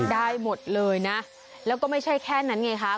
ได้หมดเลยนะแล้วก็ไม่ใช่แค่นั้นไงคะ